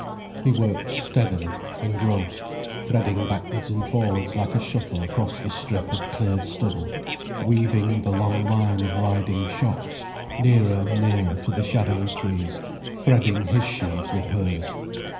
He worked steadily, engrossed, threading backwards and forwards like a shuttle across the strip of cleared stubble, weaving the long line of riding shocks, nearer and nearer to the shadowy trees, threading his sheaves with hers.